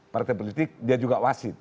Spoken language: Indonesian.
partai politik dia juga wasit